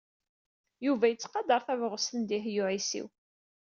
Yuba yettqadar tabɣest n Dehbiya u Ɛisiw.